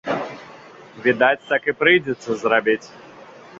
Відаць, так і прыйдзецца зрабіць.